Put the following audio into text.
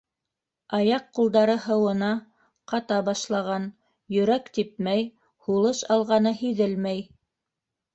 Аяҡ-ҡулдары һыуына, ҡата башлаған, йөрәк типмәй, һулыш алғаны һиҙелмәй.